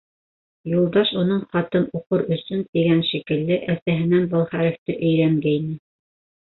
Юлдаш уның хатын уҡыр өсөн тигән шикелле, әсәһенән был хәрефте өйрәнгәйне.